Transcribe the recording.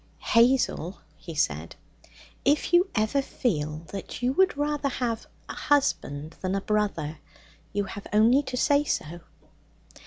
'Hazel,' he said, 'if you ever feel that you would rather have a husband than a brother, you have only to say so.'